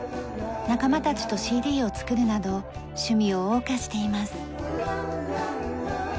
仲間たちとＣＤを作るなど趣味を謳歌しています。